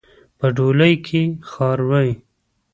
په ډولۍ کې خاروئ.